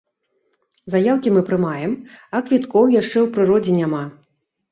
Заяўкі мы прымаем, а квіткоў яшчэ ў прыродзе няма.